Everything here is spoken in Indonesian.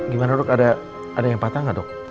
gimana dok ada yang patah nggak dok